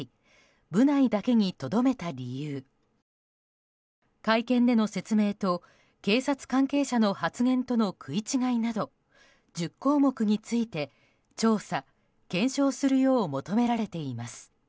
部内だけにとどめた理由会見での説明と警察関係者の発言との食い違いなど１０項目について調査・検証するよう求められています。